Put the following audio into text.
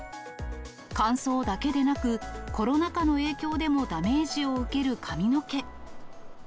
乾燥だけでなく、コロナ禍の影響でもダメージを受ける髪の毛。